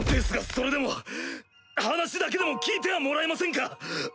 それでも話だけでも聞いてはもらえませんか？